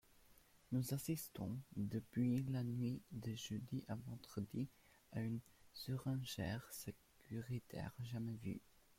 Nous assistons, depuis la nuit de jeudi à vendredi, à une surenchère sécuritaire jamais vue.